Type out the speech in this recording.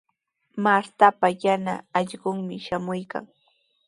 Martapa yana allqunmi shamuykan.